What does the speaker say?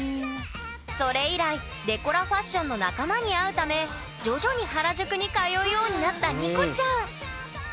それ以来デコラファッションの仲間に会うため徐々に原宿に通うようになったＮＩＣＯちゃん。